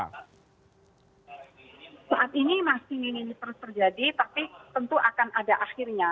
saat ini masih terus terjadi tapi tentu akan ada akhirnya